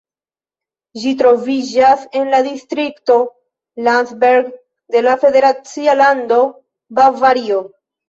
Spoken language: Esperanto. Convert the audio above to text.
Ĝi troviĝas en la distrikto Landsberg de la federacia lando Bavario.